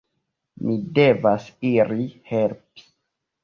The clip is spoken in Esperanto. Mi devas iri helpi.